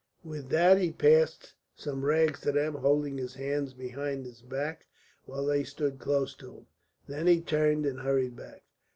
With that he passed some rags to them, holding his hands behind his back, while they stood close to him. Then he turned and hurried back.